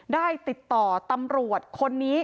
ได้ติดต่อตำรวจคนนี้